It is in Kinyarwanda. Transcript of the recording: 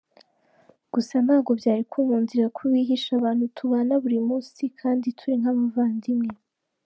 Gusa ntabwo byari kunkundira kubihisha abantu tubana buri munsi kandi turi nk’abavandimwe.